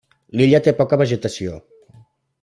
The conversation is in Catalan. L'illa té poca vegetació.